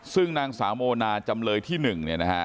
ซึ่งนางสาวโมนาจำเลยที่๑เนี่ยนะฮะ